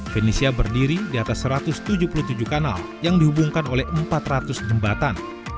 venisia berdiri di atas satu ratus tujuh puluh tujuh kanal yang dihubungkan oleh empat ratus jembatan